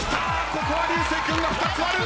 ここは流星君が２つ割る！